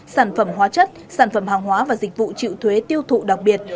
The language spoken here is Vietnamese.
sản phẩm hóa chất sản phẩm hàng hóa và dịch vụ chịu thuế tiêu thụ đặc biệt